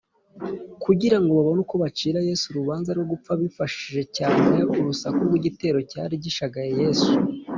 kugira ngo babone uko bacira yesu urubanza rwo gupfa, bifashishije cyane urusaku rw’igitero cyari gishagaye yesu,